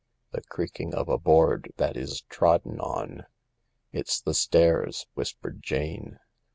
The creaking of a board that is trodden on. "It's the stairs," whispered Jane.